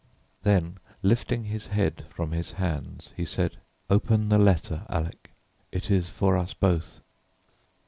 Then, lifting his head from his hands, he said, "Open the letter, Alec; it is for us both."